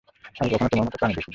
আগে কখনো তোমার মতো প্রাণী দেখিনি।